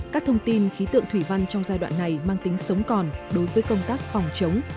các thông tin khí tượng thủy văn trong giai đoạn này mang tính sống còn đối với công tác phòng chống